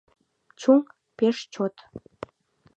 Чуҥ — пеш, чот.